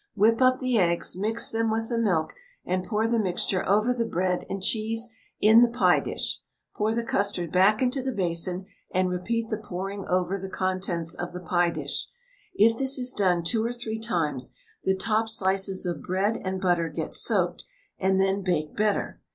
Whip up the eggs, mix them with the milk, and pour the mixture over the bread and cheese in the pie dish. Pour the custard back into the basin, and repeat the pouring over the contents of the pie dish. If this is done two or three times, the top slices of bread and butter get soaked, and then bake better.